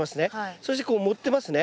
そしてこう盛ってますね。